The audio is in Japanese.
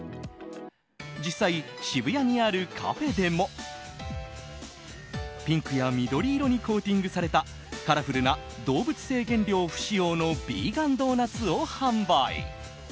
実際、渋谷にあるカフェでもピンクや緑色にコーティングされたカラフルな動物性原料不使用のビーガンドーナツを販売。